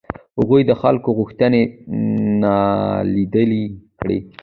هغوی د خلکو غوښتنې نالیدلې کړې.